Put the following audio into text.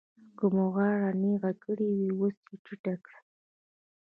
که مو غاړه نېغه کړې وي اوس ټیټه کړئ.